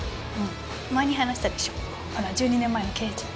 前に話したでしょほら１２年前の刑事